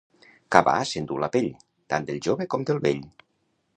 Cavar s'enduu la pell, tant del jove com del vell.